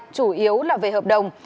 chủ yếu là về hợp đồng